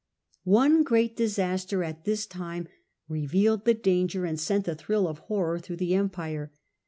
One great disaster at this time revealed the danger and sent a thrill of horror through the Empire.